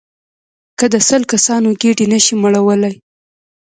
که د سل کسانو ګېډې نه شئ مړولای.